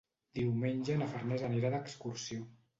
Diumenge na Farners anirà d'excursió.